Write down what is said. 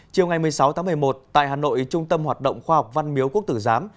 chiều ngày một mươi sáu tháng một mươi một tại hà nội trung tâm hoạt động khoa học văn miếu quốc tử giám